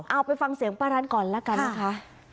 เอาไปฟังเสียงป้ารันก่อนแล้วกันนะคะ